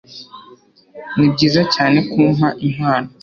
Nibyiza cyane ko umpa impano.